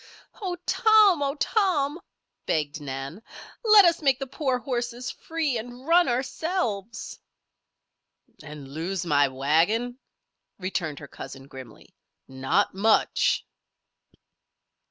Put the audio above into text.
"Oh, Tom! Oh, Tom!" begged Nan. "Let us make the poor horses free, and run ourselves." "And lose my wagon?" returned her cousin, grimly. "Not much!"